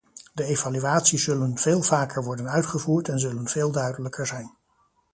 De evaluaties zullen veel vaker worden uitgevoerd en zullen veel duidelijker zijn.